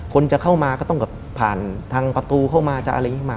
คนจะเข้ามาก็ต้องผ่านทางประตูเข้ามา